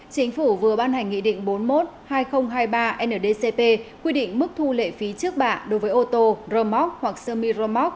chính phủ vừa ban hành nghị định bốn mươi một hai nghìn hai mươi ba ndcp quy định mức thu lệ phí trước bạ đối với ô tô rơ móc hoặc sơ mi rơ móc